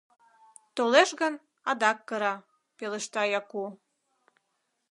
— Толеш гын, адак кыра, — пелешта Яку.